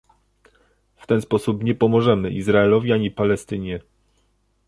W ten sposób nie pomożemy Izraelowi ani Palestynie